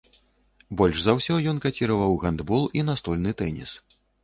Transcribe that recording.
Больш за ўсё ён каціраваў гандбол і настольны тэніс.